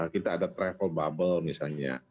kita ada travel bubble misalnya